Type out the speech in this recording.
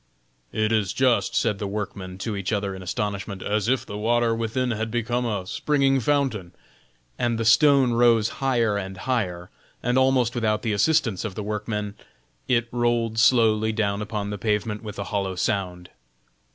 "It is just," said the workmen to each other in astonishment, "as if the water within had become a springing fountain." And the stone rose higher and higher, and almost without the assistance of the workmen, it rolled slowly down upon the pavement with a hollow sound.